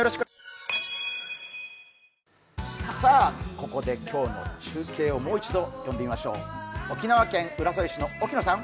ここで今日の中継をもう一度、呼んでみましょう。